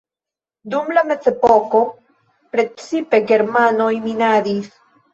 Dum la mezepoko precipe germanoj minadis.